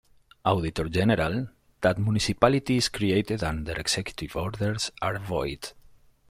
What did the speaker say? Auditor General" that "municipalities created under Executive Orders are void".